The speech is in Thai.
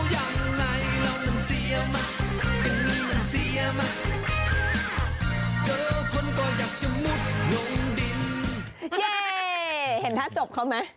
เห็นท่าจบเขาไหม